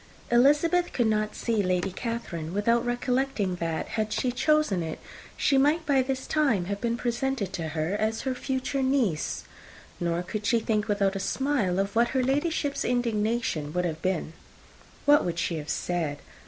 Elizabeth could not see Lady Catherine without recollecting that, had she chosen it, she might by this time have been presented to her as her future niece; nor could she think, without a smile, of what her Ladyship's indignation would have been. "What would she have said?